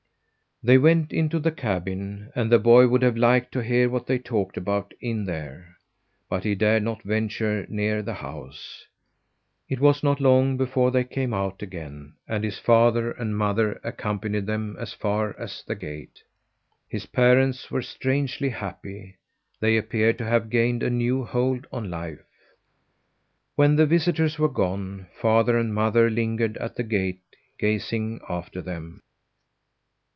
They went into the cabin, and the boy would have liked to hear what they talked about in there; but he dared not venture near the house. It was not long before they came out again, and his father and mother accompanied them as far as the gate. His parents were strangely happy. They appeared to have gained a new hold on life. When the visitors were gone, father and mother lingered at the gate gazing after them.